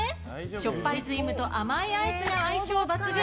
しょっぱい瑞夢と甘いアイスが相性抜群。